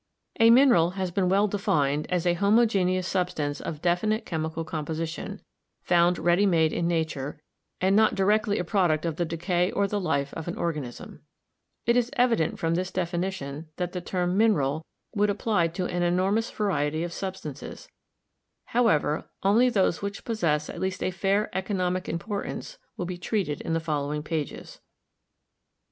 A mineral has been well defined as a "homogeneous substance of definite chemical composition, found ready made in nature, and not directly a product of the decay or the life of an organism." It is evident from this Cycle from miners Fig. 46 — Coral Reef. to organic life and thence to mineral again. definition that the term 'mineral' would apply to an enor mous variety of substances. However, only those which possess at least a fair economic importance will be treated in the following pages.